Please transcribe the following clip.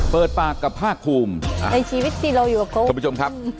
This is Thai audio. เปิดปากกับภาคภูมิในชีวิตที่เราอยู่กับเขาท่านผู้ชมครับ